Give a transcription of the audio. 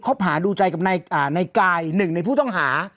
บหาดูใจกับนายกายหนึ่งในผู้ต้องหา